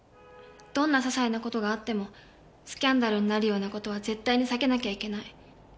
どんな些細な事があってもスキャンダルになるような事は絶対に避けなきゃいけない。